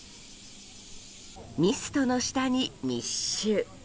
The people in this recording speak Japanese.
ミストの下に密集。